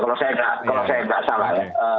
kalau saya tidak salah